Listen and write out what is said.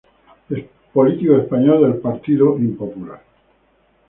Político español del Partido Popular.